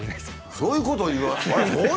そういうこと言う！